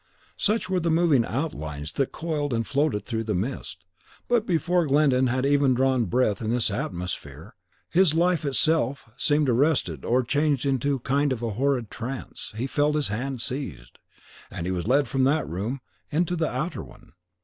Such were the moving outlines that coiled and floated through the mist; but before Glyndon had even drawn breath in this atmosphere for his life itself seemed arrested or changed into a kind of horrid trance he felt his hand seized, and he was led from that room into the outer one.